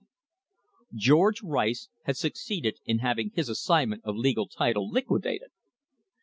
George Rice had succeeded in having his assignment of legal title liquidated!